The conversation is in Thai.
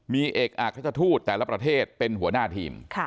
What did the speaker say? มีเอกอักราชทูตแต่ละประเทศเป็นหัวหน้าทีม